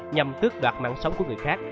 nhằm tước đoạt mạng sống của người khác